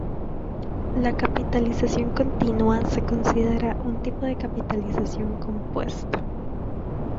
La capitalización continua se considera un tipo de capitalización compuesta.